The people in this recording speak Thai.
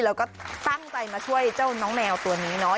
แล้วก็ตั้งใจมาช่วยเจ้าน้องแมวตัวนี้เนาะ